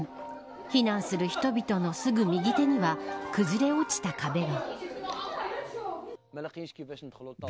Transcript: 避難する人々のすぐ右手には崩れ落ちた壁が。